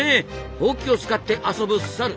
ホウキを使って遊ぶ「サル」。